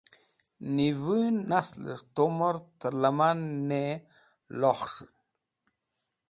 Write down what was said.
Nivu Nasles̃h tumer terliman ne lokhs̃han